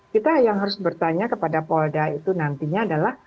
kita yang harus bertanya kepada polda itu nantinya adalah